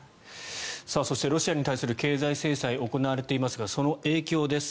そしてロシアに対する経済制裁が行われていますがその影響です。